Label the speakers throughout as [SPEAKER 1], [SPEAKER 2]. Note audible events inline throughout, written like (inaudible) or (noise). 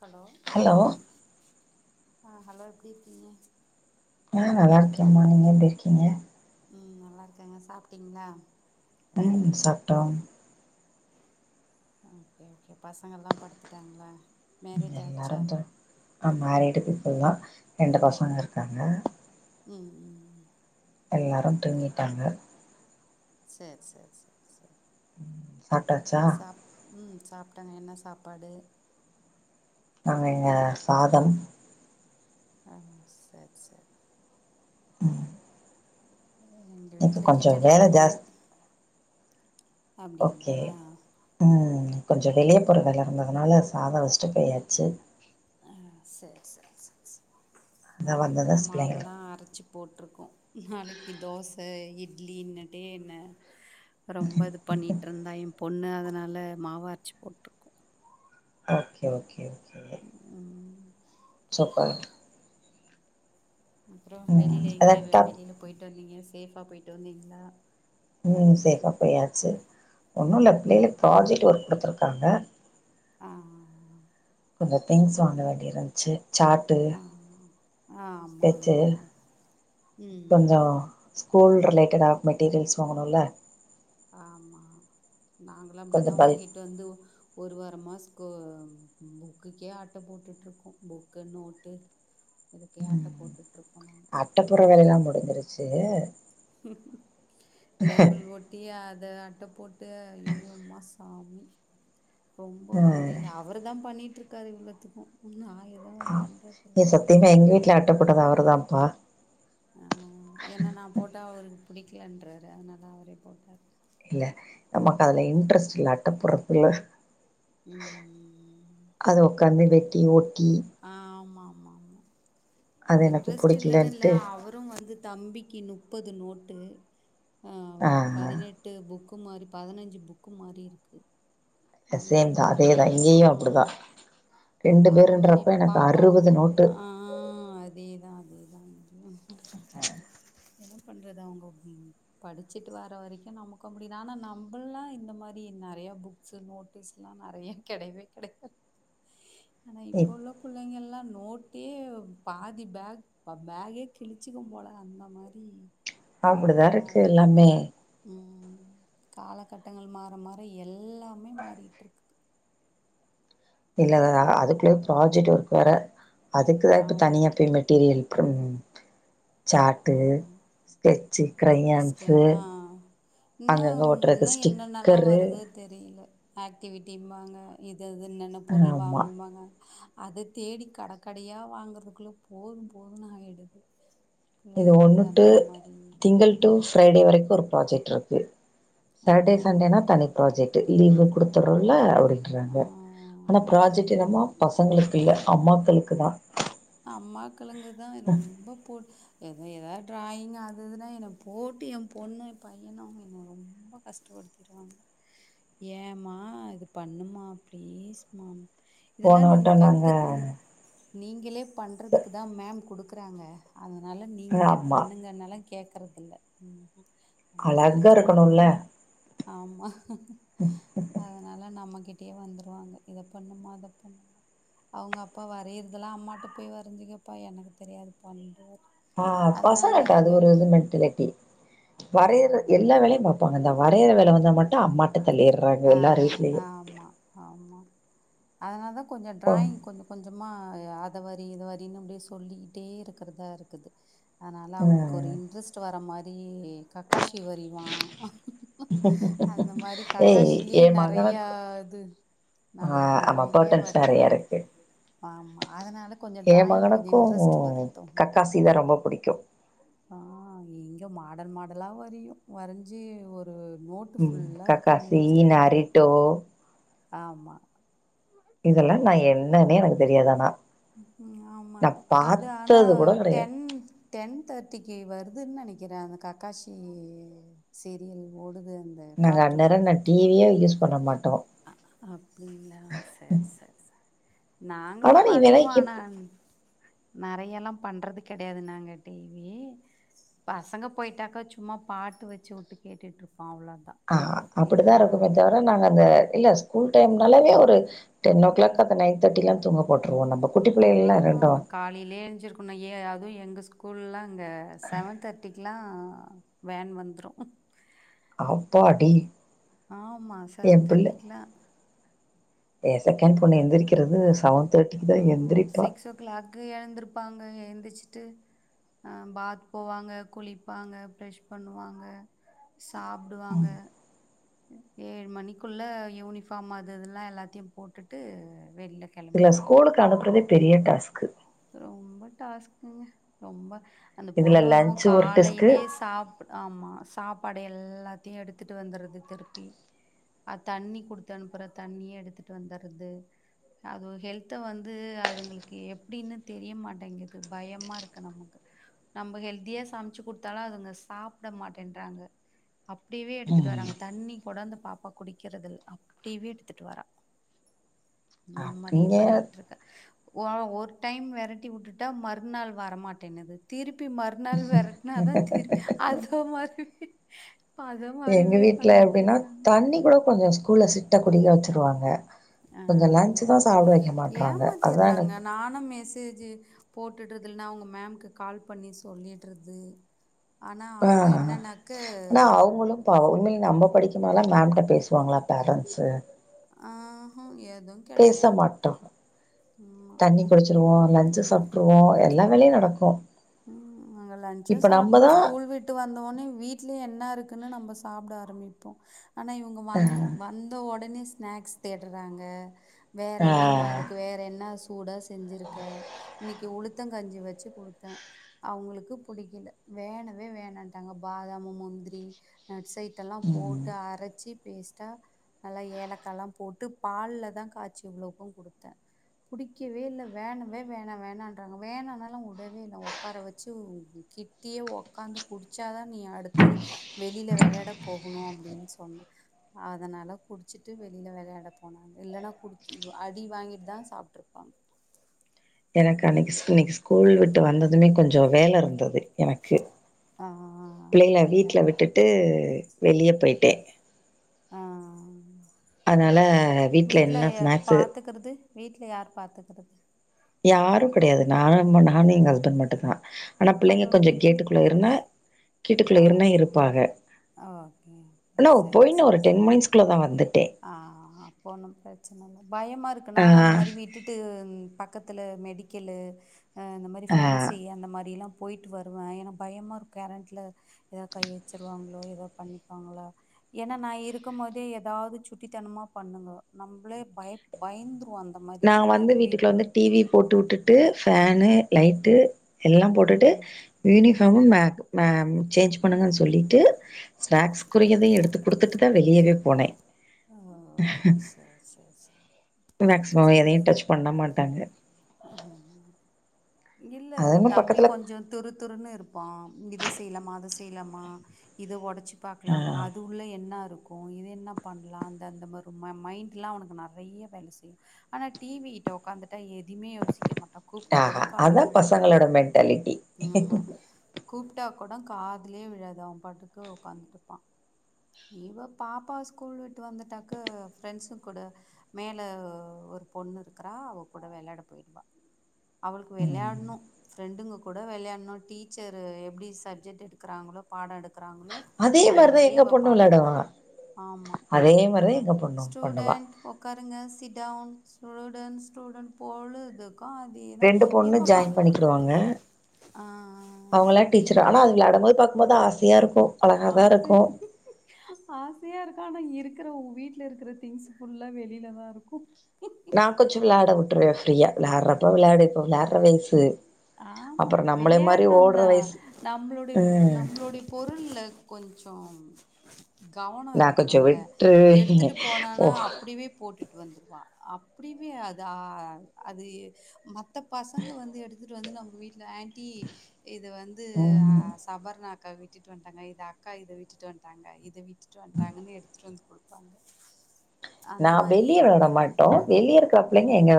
[SPEAKER 1] Hello
[SPEAKER 2] hello
[SPEAKER 1] ஆஹ் hello எப்படி இருக்கீங்க
[SPEAKER 2] ஆஹ் நல்லா இருக்கேன்ம்மா நீங்க எப்படி இருக்கீங்க
[SPEAKER 1] ம் நல்லாருக்காங்க சாப்பிட்டீங்களா
[SPEAKER 2] உம் சாப்பிட்டோம்
[SPEAKER 1] ஓகே ஓகே பசங்கல்லாம் படுத்துட்டாங்களா மேரேஜ் ஆச்சா
[SPEAKER 2] எல்லாரும் தான் அயம் மேரிட்டு இப்பல்லாம் ரெண்டு பசங்க இருக்காங்க
[SPEAKER 1] உம் உம் உம்
[SPEAKER 2] எல்லாரும் தூங்கிட்டாங்க
[SPEAKER 1] சரி சரி சரி சரி
[SPEAKER 2] சாப்ட்டாச்சா
[SPEAKER 1] சப்ப உம் சாப்பிட்டாங்க என்ன சாப்பாடு
[SPEAKER 2] பண்ணீங்க சாதம்
[SPEAKER 1] ஆஹ சரி சரி
[SPEAKER 2] உஹம்
[SPEAKER 1] எங்க
[SPEAKER 2] இன்னைக்கு
[SPEAKER 1] வீட்ல
[SPEAKER 2] கொஞ்சம்
[SPEAKER 1] கிச்சடி
[SPEAKER 2] வேலை
[SPEAKER 1] பண்ணோ
[SPEAKER 2] ஜாஸ்தி ஓகே
[SPEAKER 1] அப்டிங்களா
[SPEAKER 2] உம் கொஞ்சம் வெளிய போற வேலா இருந்ததுனால சாதம் வச்சுட்டு போயாச்சு
[SPEAKER 1] ஆஹ் சரி சரி
[SPEAKER 2] அதா
[SPEAKER 1] நாங்கள்
[SPEAKER 2] வந்தது
[SPEAKER 1] இப்பதான்
[SPEAKER 2] பிள்ளைங்களுக்கு
[SPEAKER 1] மாவுல்லாம் அரைச்சி போட்டிருக்கோம் நாளைக்கு தோசை இட் இன்னைக்கு டே என்ன ரொம்ப இது பண்ணிட்டு இருந்தன் பொண்ணு அதனால மாவு அரிச்சு போட்ருக்கோம்
[SPEAKER 2] ஓகே ஓகே
[SPEAKER 1] உம்
[SPEAKER 2] சாப்பாடு
[SPEAKER 1] அப்பறம் வெளியில எங்க
[SPEAKER 2] கரெக்டா
[SPEAKER 1] வெளியில போயிட்டு வந்தீங்க சேஃபா போயிட்டு வந்தீங்களா
[SPEAKER 2] உம் சேப்பா போயாச்சு ஒன்னும் இல்ல
[SPEAKER 1] ஆ.
[SPEAKER 2] பிள்ளைங்க ப்ராஜெக்ட் ஒர்க் குடுத்துருக்காங்க
[SPEAKER 1] ஆஹ்ம்
[SPEAKER 2] கொஞ்சம் திங்க்ஸ் வாங்க வேண்டியது இருந்துச்சு சாட்டு
[SPEAKER 1] ஆ. ஆ, ஆமா, ஆமா,
[SPEAKER 2] ஸ்கெட்சு
[SPEAKER 1] ஆமா. ம்.
[SPEAKER 2] கொஞ்சம் ஸ்கூல் ரிலேட்டடா மெட்டீரியல்ஸ் வாங்கணுல்ல
[SPEAKER 1] ஆமா நாங்களு
[SPEAKER 2] கொஞ்சோ
[SPEAKER 1] அப்டிதா
[SPEAKER 2] பல்க்
[SPEAKER 1] வாங்கிட்டு வந்து ஒரு வாரமா பு புக்குக்கே அட்ட போட்டுட்டு இருக்கோ புக்கு நோட்டு இதுக்கே ஆட்ட
[SPEAKER 2] உம்
[SPEAKER 1] போட்டுட்டுருக்கோம் நாங்க.
[SPEAKER 2] அட்டப் போற வேலயெல்லா முடுஞ்சுருச்சு ச்சு
[SPEAKER 1] லேபிள் ஒட்டி அத அட்ட போட்டு அய்யயோ அம்மா சாமி ரொம்ப
[SPEAKER 2] ஆ
[SPEAKER 1] முடியல அவரு தா பண்ணிட்டு இருக்காது இவ்ளதுக்கு ஒன்னு ஆறு
[SPEAKER 2] நீ சத்தியமா எங்க வீட்லா கஷ்டப்பட்டது அவருதாப்பா
[SPEAKER 1] ஆ ஏன்னா நா போட்டா அவரு புடிக்கலன்றாரு அதனால அவரே போட்டார்
[SPEAKER 2] இல்ல நமக்கு அதுல இன்ட்ரெஸ்ட் இல்ல அட்டப் போட்ரதுல
[SPEAKER 1] ம்
[SPEAKER 2] அத ஒக்காந்து வ டி ஒட்டி
[SPEAKER 1] ஆ ஆமா
[SPEAKER 2] அது எனக்கு
[SPEAKER 1] இன்ட்ரெஸ்ட்டு இல்லன்னு இல்ல
[SPEAKER 2] புடிக்கலன்ட்டு
[SPEAKER 1] அவரு வந்து தம்பிக்குன்னு முப்பது நோட்டு ஆ பதினெட்டு புக்கு புக்கு மாரி பதினஞ்சு புக்கு மாரி இருக்குது
[SPEAKER 2] சேம் தா அதேதா இங்கேயு
[SPEAKER 1] ஆ
[SPEAKER 2] அப்டிதா ரெண்டு பேருன்றப்ப எனக்கு அறுவது
[SPEAKER 1] பாப்பாவுக்கு
[SPEAKER 2] நோட்டு
[SPEAKER 1] ஆ அதே அதா அதேதா இ என்ன பண்றது அவுங்க படுச்சுட்டு வர்ற வரைக்கு நமக்கு அ முடி ஆனா நம்மல்லா இந்த மாரி நெறய புக்ஸ் நோட் புக்ஸ் எல்லா நெறய கெடயவே கெடயாது ஆனா இப்போ
[SPEAKER 2] இப்
[SPEAKER 1] உள்ள புள்ளைங்கல்லா நோட்டே பாதி பேக் பேக்கே கிழிச்சிக்கும் போல அந்த மாரி
[SPEAKER 2] அப்டிதா இருக்கு எல்லாமே
[SPEAKER 1] ம் காலகட்டங்கள் மாற மாற எல்லாமே மாறிட்டு இருக்குது
[SPEAKER 2] இல்ல இல்ல அதுக்குள்ளயே ப்ராஜெக்ட் ஒர்க் வேற அதுக்குதா இப்ப
[SPEAKER 1] ஆமா
[SPEAKER 2] தனியா போய் மெட்டீரியல் அப்புறம் சாட்டு ஸ்கெச்
[SPEAKER 1] ஸ்க் ஆ இன்னு
[SPEAKER 2] அங்கங்க ஒட்டுறக்கு
[SPEAKER 1] இன்னு என்னென்னல்லா
[SPEAKER 2] ஸ்டிக்கரு
[SPEAKER 1] வருதோ தெரியல ஆக்டிவிட்டி மாரி ஆ இ இது என்னென்ன பொருள்
[SPEAKER 2] ஆமா
[SPEAKER 1] வாங்குபாங்க அத தேடி கடைக்கடையா வாங்கறதுக்குள்ள போது போதுன்னு ஆயிடுது
[SPEAKER 2] இது
[SPEAKER 1] பிள்ளைங்களுக்கு
[SPEAKER 2] ஒன்னு டு
[SPEAKER 1] அந்த மாரி
[SPEAKER 2] திங்கள் டு ஃப்ரைடே வரைக்கு ஒரு ப்ராஜெக்ட் இருக்கு
[SPEAKER 1] ஆ
[SPEAKER 2] சட்டர்டே சண்டேனா தனி ப்ராஜெக்ட் லீவு குடுத்துரோல அப்பிடின்றாங்க ஆனா
[SPEAKER 1] ஆ
[SPEAKER 2] ப்ராஜெக்ட் என்னமோ பசங்களுக்கு இல்ல அம்மாக்களுக்கு தா
[SPEAKER 1] அம்மா கிழங்குதா ரொம்ப போ எதாது டிராயிங் அது இதுன்னா என்ன போட்டு ஏ பொண்ணு ஏ பையனு என்ன ரொம்ப கஷ்டப்படுத்திடுவாங்க ஏமா இது பண்ணுமா ப்ளீஸ்மா
[SPEAKER 2] போன
[SPEAKER 1] இதெல்லாம் நீங்கள்
[SPEAKER 2] விட்டம் நாங்க
[SPEAKER 1] கற்று நீங்களே பண்றதுக்குதா மேம் குடுக் க்கறாங்க அதனால நீங்களே
[SPEAKER 2] ஆமா
[SPEAKER 1] பண்ணுங்கனாலா கேக் தரதில்ல ம்
[SPEAKER 2] அழகா
[SPEAKER 1] ஏதாச்சு
[SPEAKER 2] இருக்கணும்ல
[SPEAKER 1] ஒன்னுன்னா ஆமா அதனால நம்ம கிட் டனே வந்துருவாங்க இத பண்ணுமா பண்ணுமா அவுங்க அப்பா வரையறதெல்லா அம்மாட்டு போய் வரைஞ்சுக்கப்பா எனக்கு தெரியாதுபா இன்ருவே
[SPEAKER 2] ஆ பசங்கட்ட அது ஒரு இது மென்லிட்டி வரையற
[SPEAKER 1] ம்.
[SPEAKER 2] எல்லா வேலையு பாப்பா அந்த வரையிற வேல வந்த மட்டு அம்மாட்
[SPEAKER 1] ஆ ஆமா ஆமா அதனதா கொஞ்ச
[SPEAKER 2] ம்
[SPEAKER 1] டிராயிங் கொஞ்ச கொஞ்சமா அ அத வரி இத வாரின்னு அப்பிடியே சொல்லிட்டே இருக்கிறதா இருக்குது அதனால அவங்களுக்கு ஒரு
[SPEAKER 2] ம்
[SPEAKER 1] இன்ட்ரெஸ்ட் வர மாரி ஏ கக்காஷ் ஈ வரிவா அந்த மாரி கா
[SPEAKER 2] ஏய்
[SPEAKER 1] கக்காலயே
[SPEAKER 2] ஏ
[SPEAKER 1] நறைய
[SPEAKER 2] மகனுக்கு
[SPEAKER 1] இது
[SPEAKER 2] ஆ ஆமா
[SPEAKER 1] நறையா
[SPEAKER 2] பர்ட்டன்ஸ் நெறைய
[SPEAKER 1] வரைவாங்க
[SPEAKER 2] இருக்கு
[SPEAKER 1] ஆமா அதனால கொஞ்ச
[SPEAKER 2] ஏ
[SPEAKER 1] டிராயிங் கொஞ்ச
[SPEAKER 2] மகனுக்கு
[SPEAKER 1] இன்ட்ரெஸ்ட் வருட்டு
[SPEAKER 2] கக்காசி தா ரொம்ப புடிக்கு
[SPEAKER 1] ஆ ங்க மா டல் மாடலா வரையு வரஞ்சி ஒரு நோட்டு ஃபுல்லா
[SPEAKER 2] சீ நரிட்டோ
[SPEAKER 1] ஆமா
[SPEAKER 2] இதுல நா என்னன்னே எனக்கு தெரியாதானா
[SPEAKER 1] ஆமா அது ஆனா
[SPEAKER 2] கூட கெடையாது
[SPEAKER 1] டென் டென் தேர்ட்டிக்கு வருது அதுன்னு நனைக்கிறே அந்த கக்காசி சீரியல் ஓடுது அந்த
[SPEAKER 2] நாங்க
[SPEAKER 1] கார்ட்டூன்
[SPEAKER 2] அண்ணர ந டிவியே யூஸ் பண்ண மாட்
[SPEAKER 1] அப்டிங்களா சரி சரி நாங்களு
[SPEAKER 2] ஆனாலு இவெல்லா
[SPEAKER 1] பண்ணுவோ
[SPEAKER 2] எப்
[SPEAKER 1] ஆனா நறையல்லா பண்றது கிடையாது நாங்க டிவி பசங்க போய்ட்டாக்கா சும்மா பாட்டு வச்சு விட்டு கேட்டுட்ருப்போ அவ்ளோதா
[SPEAKER 2] ஆ அப்டிதா
[SPEAKER 1] மத்தபடில்லா
[SPEAKER 2] இருக்குமே தவிர நாங்க அந்த இல்ல ஸ்கூல் டைம்னாலேமே ஒரு டென் ஓ கிளாக் அத நைன் தேர்டிலா தூங்கப்போட்
[SPEAKER 1] ஆமா ஆமா காலைலயே எஞ்சிக்கனோ ஏ அது எங்க ஸ்கூல்லா அங்க செவன் தேட்டிக் லா வேன் வந்துரு
[SPEAKER 2] அப்பாடி
[SPEAKER 1] ஆமா
[SPEAKER 2] எ
[SPEAKER 1] செவன்
[SPEAKER 2] புள்ள
[SPEAKER 1] தேர்ட்டிக்குலா
[SPEAKER 2] ஏ செகண்ட் பொண்ணு எந்திரிக்கிறது செவன் தேட்டிக்கு தா எந்திரிப்பா
[SPEAKER 1] ப்பாங்க எழுந்திச்சிட்டு ஆ பாத் போவாங்க குளிப்பாங்க ப்ரெஷ் பண்ணுவாங்க சாப்பிடுவாங்க ஏழு மணிக்குள்ள யூனிஃபார்ம் அது இதெல்லா எல்லாத்தையு போட்டுட்டு வெளில
[SPEAKER 2] இல்ல
[SPEAKER 1] கிளம்பிடுவாங்க
[SPEAKER 2] ஸ்கூலுக்கு அனுப்புறதே பெரிய டாஸ்கு
[SPEAKER 1] ரொம்ப டாஸ்குங் ரொம்ப அந்த
[SPEAKER 2] இதுல
[SPEAKER 1] பொண்ணு அதுவு
[SPEAKER 2] லன்ச் ஒரு டாஸ்க்கு
[SPEAKER 1] காலையிலேயே சாப்படா ஆமா சாப்பாடு எல்லாத்தையு எடுத்துட்டு வந்துற்றது திருப்பி அ தண்ணி குடுத்து அனுப்புற தண்ணியே எடுத்துட்டு வந்துடுறது அது ஹெல்த்த வந்து அதுங்களுக்கு எப் எப்படின்னு தெரிய மாட்டேங்குது பயமா இருக்கு நமக்கு நம்ம ஹெல்தியா சமைச்சு குடுத்தாலு அதுங்க சாப்பிட மாட்டேன்றாங்க அப்டியேவே எடுத்துட்டு
[SPEAKER 2] ம்
[SPEAKER 1] வராங்க தண்ணி குடந்த பாப்பா குடிக்கிறது இல்ல அப்படியேவே எடுத்துட்டு வாரா ம் அந்த மாரி
[SPEAKER 2] இங்க
[SPEAKER 1] பண்ணிட்ருக்க ஓ ஒரு டைம் வெரட்டி வுட்டுட்டா மறுநாள் வரமாட்டேன்னுது திரு ப்பி மறுநாள் வெரட்னாதா திரு அது மாரி
[SPEAKER 2] எங்க வீட்ல எப்டின்னா
[SPEAKER 1] பண்ணிட்டுருக்காங்க.
[SPEAKER 2] தண்ணி கூட கொஞ்ச ஸ்கூல்ல ஸ்ட்ரிட்டா குடிக்க வச்சுருவாங்க
[SPEAKER 1] ஆ
[SPEAKER 2] கொஞ்சோ லன்ச் தா சாப்ட வைக்க மாட்றாங்க அதா
[SPEAKER 1] ஏமாத்திர்றாங்க
[SPEAKER 2] எனக்கு
[SPEAKER 1] நானு மெசேஜு போட்டுட்டு அதுல நா அவங்க மேம்க்கு கால் பண்ணி சொல்லிட்றது
[SPEAKER 2] ஆ ஆ ஆனா அவங்களு பாவோ உண்மையில் நம்ம படிக்கும்போதுல்லா மேம் கிட்ட பேசுவாங்களா பேரன்ட்ஸு
[SPEAKER 1] ம்ஹும் எ
[SPEAKER 2] பேச மாட்டோ
[SPEAKER 1] ஆமா.
[SPEAKER 2] தண்ணி குடிச்சிருவோ
[SPEAKER 1] இப்போ
[SPEAKER 2] லன்ச்சு சாப் ட்ருவோ எல்லா வேலையு நடக்கு
[SPEAKER 1] ம் நாங்க லன்ச்சு
[SPEAKER 2] இப்ப
[SPEAKER 1] சாப்ட்ருவோ
[SPEAKER 2] நம்மதா
[SPEAKER 1] ஸ்கூல் விட்டு வந்தோன்னே வீட்லயு என் ன இருக்குன்னு நம்ப சாப்ட ஆரம்பிப்போ ஆனா இவங்க
[SPEAKER 2] அ
[SPEAKER 1] வந் வந்த ஒடனே ஸ்நாக்ஸ் தேடறாங்க வேற
[SPEAKER 2] ஆ
[SPEAKER 1] என்னம்மா இருக்கு வேற என்ன கூட செஞ்சிருக்கே இன்னக்கி உளுத்தங் கஞ்சி வச்சு குடுத்தே அவங்களுக்கு புடிக்கல வேணவே வேணாட்டாங்க பாதாமு முந்திரி நட்ஸ் ஐ ட்டோலா
[SPEAKER 2] ம்
[SPEAKER 1] போட்டு அரைச்சி பேஸ்ட்டா நல்லா ஏலக்கால்லா போட்டு பால்லதா காச்சி இவ்ளோக்கு குடுத்தே புடிக்கவே இல்ல வேணவே வேணா வேணான்றாங்க வேணானாலு உடவே இல்ல ஒ உக்கார வச்சு கிட்டியே ஒக்காந்து குடிச்சாதா நீ அடுத்தது வெளில வெளையாட போகணு அப்டின்னு சொன்னே அதனால குடிச்சிட்டு வெளில வெளையாட போனாங்க இல்லன்னா குடிச்ச இது அடி வாங்கிட்டுதா சாப்ட்ருப்பாங்க
[SPEAKER 2] எனக்கு அன்னக்கி இன்னக்கி ஸ்கூல் விட்டு வந்ததுமே கொஞ்சோ வேல இருந்தது எனக்கு
[SPEAKER 1] ஆ
[SPEAKER 2] பிள்ளைகள
[SPEAKER 1] அப்படிங்களா
[SPEAKER 2] வீட்ல விட்டுட்டு வெளிய போயிட்டே
[SPEAKER 1] ஆ
[SPEAKER 2] அதனால வீட்ல என்ன ஸ்நாக்ஸு
[SPEAKER 1] பாத்துக்கறது
[SPEAKER 2] யாரு கெடையாது நானுமு நானு எங்க ஹஸ்பண்ட் மட்டுந்தா ஆனா பிள்ளைங்க
[SPEAKER 1] அப்புறம்
[SPEAKER 2] கொஞ்சம்
[SPEAKER 1] வீட்ல
[SPEAKER 2] கேட்டுக்குள்ள இருந்தா
[SPEAKER 1] ஆ
[SPEAKER 2] வீட்டுக்குள்ளயே இருப்பாங்க
[SPEAKER 1] ஓகே ஓகே
[SPEAKER 2] ஆனா போயி ஒரு டென் மினிட்ஸ் குள்ள தான் வந்து
[SPEAKER 1] ஆஹ் அப்போ ஒண்ணும் பிரச்சனை இல்ல பயமா இருக்கு
[SPEAKER 2] ஆ
[SPEAKER 1] நானும் அந்த மாதிரி விட்டுட்டு பக்கத்து மெடிக்கல்லு இந்த மாதிரி
[SPEAKER 2] ஆ
[SPEAKER 1] ஃபேன்சி அந்த மாதிரிலாம் போயிட்டு வருவேன் ஏன்னா பயமா இருக்கும் கரண்ட்ல ஏதாவது கை வச்சிருவாங்களோ ஏத பண்ணிப்பாங்களா ஏன்னா நான் இருக்கும் போதே ஏதாவது சுட்டித்தனமா பண்ணுங்க நம்மளே பய பயந்து
[SPEAKER 2] நா வந்து வீட்டுக்குள்ள வந்து டிவி போட்டு விட்டு விட்டுட்டு பேஃனு லைட்டு எல்லாம் போட்டுட்டு
[SPEAKER 1] ம்.
[SPEAKER 2] யூனிஃப அ மேக் மே சேஞ்ச் பண்ணுங்கன்னு சொல்லிட்டு ஸ்நாக்ஸ் குறியதையும் எடுத்துக் கொடுத்துட்டு தான் வெளியவே போனேன்
[SPEAKER 1] ஆஹ சேர் சேர்
[SPEAKER 2] எதையும் டச் பண்ண மாட்டாங்க
[SPEAKER 1] (unintelligible) இல்ல
[SPEAKER 2] அதுவு பக்கத்துல
[SPEAKER 1] தம்பிக் கொஞ்சம் துரு துருன்னு இருப்ப அப்ப இத செய்யலாமா அதை செய்யலாமா இத உடைச்சு
[SPEAKER 2] ஆ
[SPEAKER 1] பாக்கலாமா அது உள்ள என்ன இருக்கும் இருக்கும் இது என்ன பண்ணலாம் அந்த மைண்ட்லாம்க்கு நிறைய வேலை செய்யும் ஆனா டிவி உக்காந்து எதுவுமே யோசிக்க மாட்ட
[SPEAKER 2] ஆஹஹா அதான் பசங்களோட மென்டாலிட்டி
[SPEAKER 1] ஆமா கூப்ட்டா கூட காதுலேயே விழாது அவன் பாட்டுக்கு உட்காந்துட்டுப்பா இவ பாப்பா ஸ்கூல் விட்டு வந்துட்டாக்க ஃப்ரெண்ட்ஸம் கூட மேல ஒரு பொண்ணு இருக்கிறா அவ கூட விளையாட போயிடுவான் அவளுக்கு
[SPEAKER 2] ம்
[SPEAKER 1] விளையாடணும் ஃப்ரெண்டுங்க கூட விளையாடணும் டீச்சர் எப்படி சப்ஜெட் எடுக்கிறாங்களோ ப பாடம் எடு
[SPEAKER 2] அதே மாதிரிதான் எங்க பொண்ணு
[SPEAKER 1] எடு
[SPEAKER 2] விளையாடுவ
[SPEAKER 1] ஆமாம்
[SPEAKER 2] அதே மாதிரி எங்க பொண்ணு பண்ணுவா
[SPEAKER 1] ஸ்டவுன் ஸ்டூடென் ஸ்டூடண்ட் போல இது ஓகே அதுதான்
[SPEAKER 2] ரெண்டு
[SPEAKER 1] ஏன்
[SPEAKER 2] பொண்ணு
[SPEAKER 1] பாப்பா
[SPEAKER 2] ஜாயின் பண்ணிக்கிடுவாங்க
[SPEAKER 1] ஆஹ் இங்க
[SPEAKER 2] பாக்க ஆசையா இருக்கு அழகாதா
[SPEAKER 1] ஆசை
[SPEAKER 2] இருக்கு
[SPEAKER 1] ஆசையா இருக்க ஆனா இங்க இருக் இருக்குற உங்க வீட்ல இருக்கிற திங்ஸ் புல்லா வெளிலதா இருக்கு
[SPEAKER 2] நா கொஞ்சோ விளாட விட்ருவே ஃப்ரியா வெளயாடுற
[SPEAKER 1] ஆமா
[SPEAKER 2] அப்புறோ நம்மள மாரி
[SPEAKER 1] வெளயாடணு
[SPEAKER 2] ஓடுற
[SPEAKER 1] தா
[SPEAKER 2] வயசு
[SPEAKER 1] நம்மளுடைய
[SPEAKER 2] ம்
[SPEAKER 1] நம்மளுடைய பொருள்ள கொஞ்சோ கவனோ
[SPEAKER 2] நா கொஞ்சோ
[SPEAKER 1] இருக்கணுல
[SPEAKER 2] விட்ருவே
[SPEAKER 1] எடுத்துட்டு போனானா
[SPEAKER 2] ஓ
[SPEAKER 1] அப்டியவே போட்டுட்டு வந்துரு ஆமா அப்டியவே அதா அது மாக் அந்த பசங்க வந்து எடுத்துட்டு வந்து நம்ம வீட்ல ஆன்டி இது வந்து ஆ
[SPEAKER 2] ம்
[SPEAKER 1] சபர்னா அக்கா விட்டுட்டு வட்டாங்க இத அக்கா இத விட்டுட்டு வந்துட்டாங்க இத விட்டுட்டு வந்தாங்கன்னு எடுத்துட்டு வந்து குடுப்பாங்க
[SPEAKER 2] நா
[SPEAKER 1] அந்த மாரி
[SPEAKER 2] வெளியே விளாட மாட்டோ வெளியே இருக்குற பிள்ளைங்க எங்க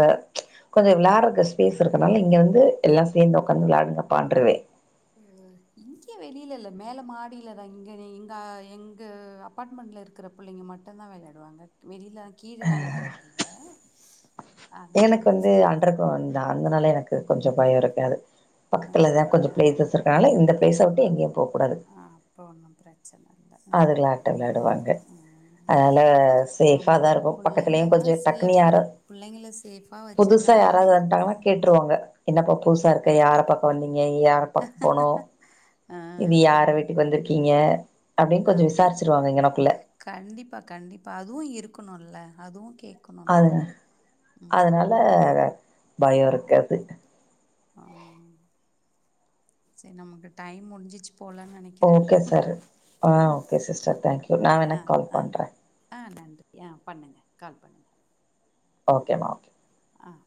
[SPEAKER 2] கொஞ்சோ வெளாடுறத்து ஸ்பேஸ் இருக்கனால இங்க வந்து எல்லா சேந்து ஒட்காந்து வெளயாடுங்கப்பான்றுவே
[SPEAKER 1] இங்க வெளியில இல்ல மேல மாடியிலதா இங்க எங்க எங்க அப்பாட்மெண்ட்ல இருக்குற புள்ளைங்க மட்டுந்தா வெளயாடுவாங்க வெளியில கீழல்லா விட்றது இல்ல அ
[SPEAKER 2] எனக்கு வந்து அன்டர்க்கிரவுண்டுதா அதனால எனக்கு கொஞ்சோ பயோ இருக்காது பக்கத்துலதா கொஞ்சோ
[SPEAKER 1] அப்படிங்களா
[SPEAKER 2] பிளேசஸ் இருக்கனால இந்த பிளேஸ எங்கே போக
[SPEAKER 1] ஆ அப்ப ஒன்னு பிரச்
[SPEAKER 2] அதுல அட்டன்டர் வந்து
[SPEAKER 1] ம்
[SPEAKER 2] அதனால சேஃபா தா
[SPEAKER 1] நம்மளுக்கு
[SPEAKER 2] இருக்கு
[SPEAKER 1] பிள்ளைங்க
[SPEAKER 2] பக்கத்தலயு
[SPEAKER 1] தான்
[SPEAKER 2] கொஞ்சோ டக்குனு
[SPEAKER 1] சேஃபு
[SPEAKER 2] யாரா
[SPEAKER 1] பிள்ளைங்கள சேஃபாக
[SPEAKER 2] புதுசா
[SPEAKER 1] வச்சுருந்தாலே
[SPEAKER 2] யாராவது
[SPEAKER 1] நமக்கு
[SPEAKER 2] வந்துட்டாங்னா
[SPEAKER 1] போதும்
[SPEAKER 2] கேட்ருவாங்க என்னப்ப புதுசா இருக்க யார பாக்க வந்திங் ங்க யார பாக்க போனோ இது யார
[SPEAKER 1] ஆ
[SPEAKER 2] வீட்டுக்கு வந்துருக்கீங்க அப்டின் கொஞ்சோ விசாரிச்சிருவாங்க இங்ஙனக்குள்ள
[SPEAKER 1] ப்ப கண்டிப்பா அதுவு இருக்கணுல்ல அதுவு
[SPEAKER 2] அவ்ளதா அதனால பயோ இருக்காது
[SPEAKER 1] ஆ சரி நமக்கு டைம் முடிஞ்சிச்சு போலன்னு நினைக்கிறேன்
[SPEAKER 2] ஓகே சரி ஆ ஓகே சிஸ்டர் தேங்க்யூ நான் எனக்கு கால் பண்றேன்
[SPEAKER 1] யா பண்ணுங்க கால் பண்ணுங்க
[SPEAKER 2] ஓகேமா ஓகே
[SPEAKER 1] ஆஹ